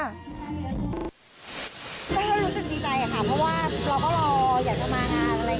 ก็รู้สึกดีใจค่ะเพราะว่าเราก็รออยากจะมางานอะไรอย่างนี้